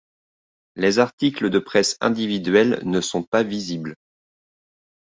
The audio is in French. Les articles de presse individuels ne sont pas visibles.